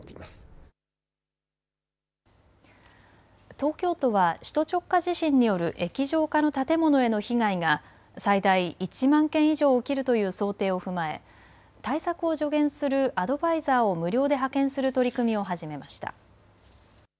東京都は首都直下地震による液状化の建物への被害が最大１万件以上起きるという想定を踏まえ対策を助言するアドバイザーを無料で派遣する取り組みを始めました。